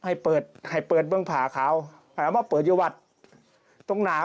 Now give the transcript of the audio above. ให้เปิดเมืองผ่าเขาให้เอามาเปิดยุวัตตร์